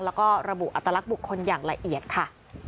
แล้วก็ระบุอัตลักษณ์บุคคลอย่างละเอียดค่ะ